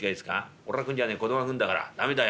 俺が食うんじゃねえ子どもが食うんだから駄目だよ